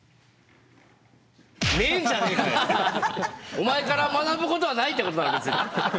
お前から学ぶことはない！ってことだな別に。